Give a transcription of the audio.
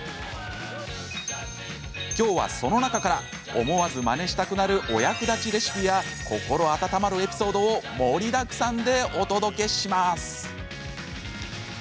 きょうはその中から思わずまねしたくなるお役立ちレシピや心温まるエピソードを盛りだくさんでお届けします！